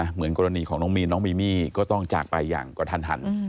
เหมือนกรณีของน้องมีนน้องมีมี่ก็ต้องจากไปอย่างกระทัน